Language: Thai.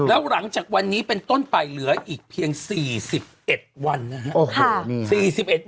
แล้วหลังจากวันนี้เป็นต้นไปเหลืออีกเพียง๔๑วันนะครับ